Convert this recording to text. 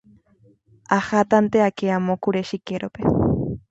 Ahátante ake amo kure chikérope.